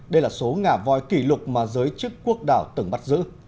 đây là số ngả vòi kỷ lục mà giới chức quốc đảo từng bắt giữ